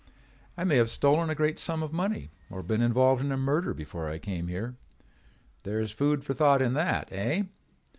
I may have stolen a great sum of money or been involved in a murder before I came here. There is food for thought in that, eh?